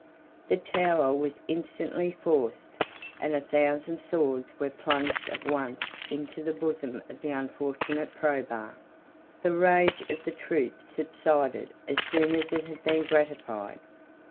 62 The tower was instantly forced, and a thousand swords were plunged at once into the bosom of the unfortunate Probus. The rage of the troops subsided as soon as it had been gratified.